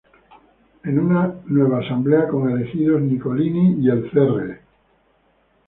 En una nueva asamblea son elegidos Nicolini y el Cr.